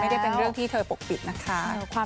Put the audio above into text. ไม่ได้เป็นเรื่องที่เธอปกปิดนะคะ